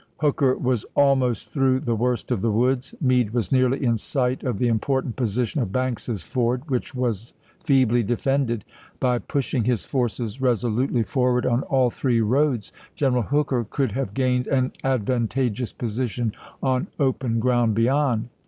Hooker was almost through the worst of the woods ; Meade was nearly in sight of the important position of Banks's ford which was feebly defended ; by pushing his forces resolutely forward on all three roads, General Hooker could have gained an advantageous position on open ground beyond.